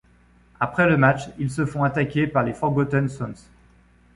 Après le match, ils se font attaqués par les Forgotten Sons.